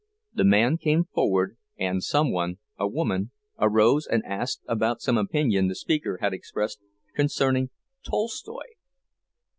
The man came forward, and some one—a woman—arose and asked about some opinion the speaker had expressed concerning Tolstoy.